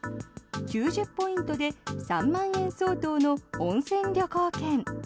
９０ポイントで３万円相当の温泉旅行券。